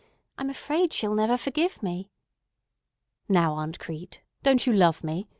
I'm afraid she'll never forgive me." "Now, Aunt Crete, don't you love me?